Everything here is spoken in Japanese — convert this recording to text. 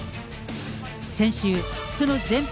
先週、その前編